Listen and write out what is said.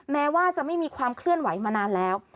แม้ว่าจะไม่มีความเคลื่อนไหวมานานแล้ว